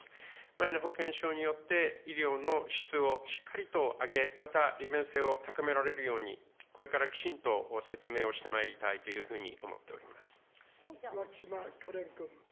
マイナ保険証によって医療の質をしっかりと上げ、また利便性を高められるように、これからきちんと説明をしてまいりたいというふ牧島かれん君。